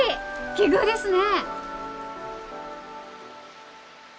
奇遇ですね